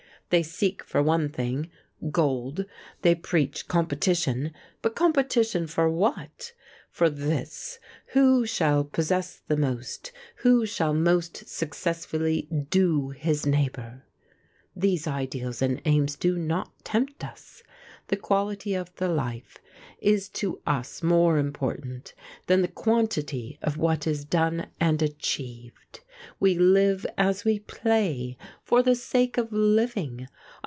They seek for one thing gold; they preach competition, but competition for what? For this: who shall possess the most, who shall most successfully 'do' his neighbour. These ideals and aims do not tempt us. The quality of the life is to us more important than the quantity of what is done and achieved. We live, as we play, for the sake of living.